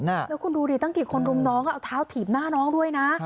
แล้วคุณดูดิตั้งกี่คนรุมน้องเอาเท้าถีบหน้าน้องด้วยนะ